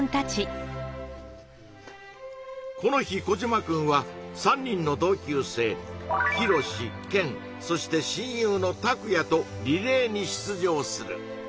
この日コジマくんは３人の同級生ヒロシケンそして親友のタクヤとリレーに出場する。